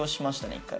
１回。